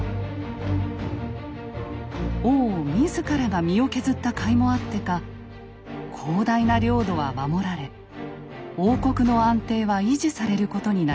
王自らが身を削ったかいもあってか広大な領土は守られ王国の安定は維持されることになりました。